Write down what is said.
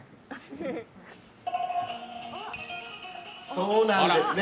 そうなんですね。